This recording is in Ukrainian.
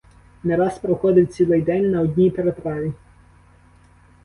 Не раз проходив цілий день на одній переправі.